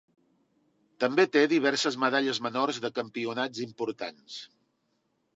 També té diverses medalles menors de campionats importants.